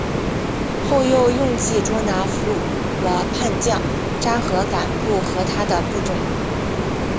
后又用计捉拿俘虏了叛将札合敢不和他的部众。